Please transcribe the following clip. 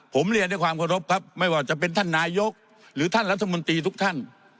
ผมเรียนด้วยความเคารพครับไม่ว่าจะเป็นท่านนายกหรือท่านรัฐมนตรีทุกท่าน